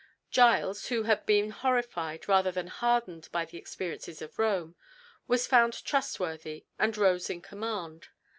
Giles, who had been horrified rather than hardened by the experiences of Rome, was found trustworthy and rose in command.